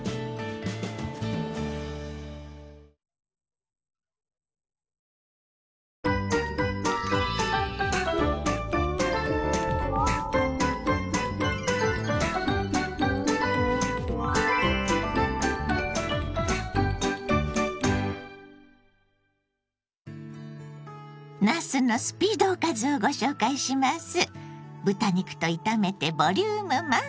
豚肉と炒めてボリューム満点！